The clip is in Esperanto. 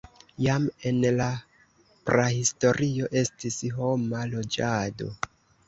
Jam en la prahistorio estis homa loĝado.